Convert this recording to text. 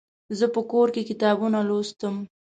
زه په کور کې کتابونه لوستم.